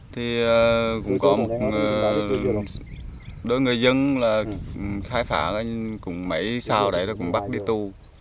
thì cũng có một đôi người dân là khai phá cũng mấy sao đấy rồi cũng bắt đi tu